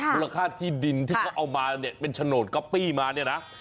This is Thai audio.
มูลค่าที่ดินที่เขาเอามาเนี่ยเป็นโฉนดก๊อปปี้มาเนี่ยนะ